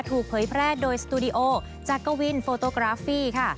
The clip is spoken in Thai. เผยแพร่โดยสตูดิโอจากกวินโฟโตกราฟฟี่ค่ะ